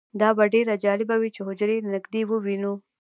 دا به ډیره جالبه وي چې حجرې له نږدې ووینو